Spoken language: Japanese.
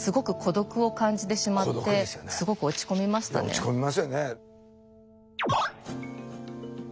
落ち込みますよね。